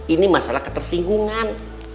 ini masalah ketersinggungan